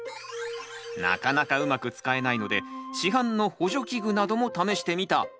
なかなかうまく使えないので市販の補助器具なども試してみた。